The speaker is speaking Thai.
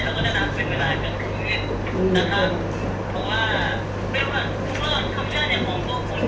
สักทีผมเห็นมีรายงานเข้ามาที่บอกว่าถ้าผมเข้าไปที่เขาอะไรเนี่ย